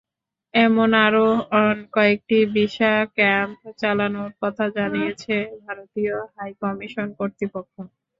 এমন আরও কয়েকটি ভিসা ক্যাম্প চালানোর কথা জানিয়েছে ভারতীয় হাইকমিশন কর্তৃপক্ষ।